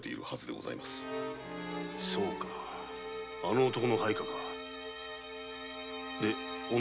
そうかあの男の配下かで女は？